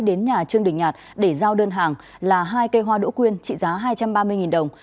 đến nhà trương đình nhạt để giao đơn hàng là hai cây hoa đỗ quyên trị giá hai trăm ba mươi đồng